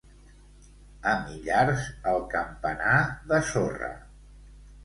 A Millars, el campanar de sorra.